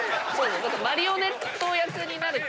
マリオネット役になると。